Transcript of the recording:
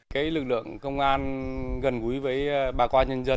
cái lực lượng công an gần gũi với bà con nhân dân